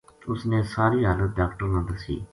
اس نے ساری حالت ڈاکٹر نا دسی